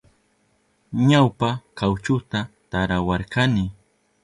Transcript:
Ñawpa kawchuta tarawarkani.